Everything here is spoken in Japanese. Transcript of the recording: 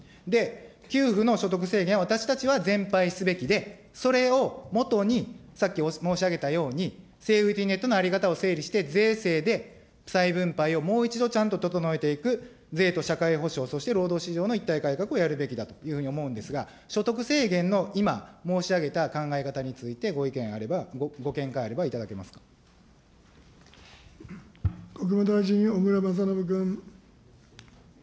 給付の所得制限を私たちは全廃すべきで、それをもとに、さっき申し上げたように、セーフティネットの在り方を整理して、税制で再分配をもう一度ちゃんと整えていく、税と社会保障、そして労働市場の一体改革をやるべきだというふうに思うんですが、所得制限の今、申し上げた考え方について、ご意見あれば、国務大臣、小倉將信君。